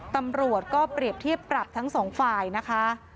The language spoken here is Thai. ตำรวจก็เปรียบเทียบปรับทั้งสองฝ่ายนะคะ